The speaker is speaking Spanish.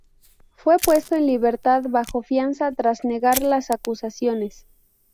Fue puesto en libertad bajo fianza tras negar las acusaciones.